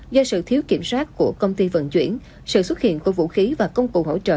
do sự thiếu kiểm soát của công ty vận chuyển sự xuất hiện của vũ khí và công cụ hỗ trợ